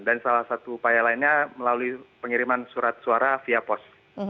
dan salah satu upaya lainnya melalui pengiriman surat suara via pos